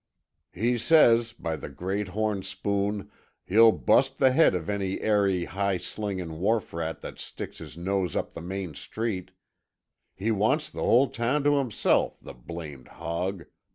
"He sez, by the great horn spoon, he'll bust the head of ary hide slingin' wharf rat that sticks his nose up the main street. He wants the whole town t' himself, the blamed hog!"